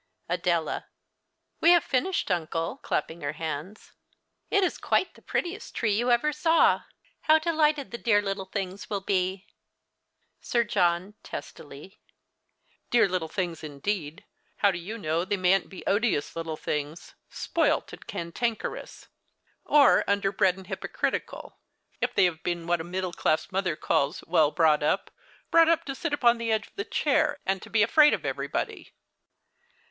Adela. AVe have finished, uncle (clapping her hands). It is quite the prettiest tree you ever saw. How delighted the dear little things will be ! Sir John {testily). Dear little things, indeed ! How do you know they mayn't be odious little things, spoilt and cantankerous, or underbred and hypocritical, if they The Christmas Hirelings. 87 have been what a middle class mother calls " well brought up "— brought up to sit u})on the edge of their chair, and to be afraid of everybody